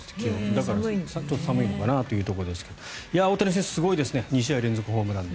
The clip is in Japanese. だから、相当寒いのかなというところですが大谷選手すごいですね２試合連続ホームラン。